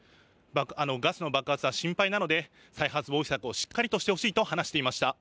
ガスの爆発は心配なので再発防止策をしっかりとしてほしいと話していました。